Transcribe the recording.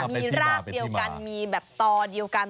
มีรากเดียวกันมีแบบต่อเดียวกัน